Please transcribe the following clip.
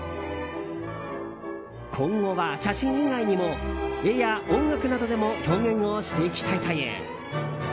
今後は写真以外にも絵や音楽などでも表現をしていきたいという。